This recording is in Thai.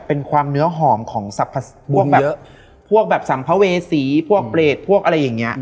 เป็นความเนื้อหอมของพวกเยอะพวกแบบสัมภเวษีพวกเปรตพวกอะไรอย่างเงี้